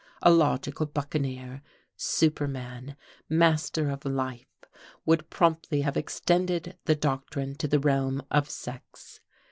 A logical buccaneer, superman, "master of life" would promptly have extended this doctrine to the realm of sex.